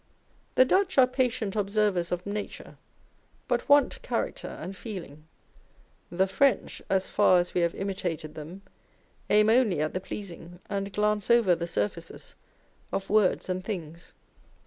The Dutch are patient observers of nature, but want character and feeling. The French, as far as we have imitated them, aim only at the pleasing, and glance over the surfaces of words and things.